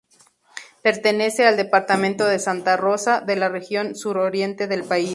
Pertenece al departamento de Santa Rosa, de la región sur-oriente del país.